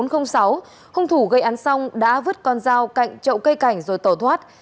hung thủ gây án xong đã vứt con dao cạnh chậu cây cảnh rồi tẩu thoát